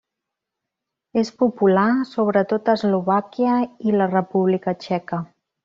És popular sobretot a Eslovàquia i la República Txeca.